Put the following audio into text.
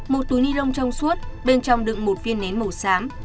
một túi ni lông trong suốt bên trong đựng một viên nén màu xám